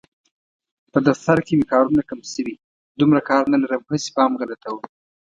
په دفتر کې مې کارونه کم شوي، دومره کار نه لرم هسې پام غلطوم.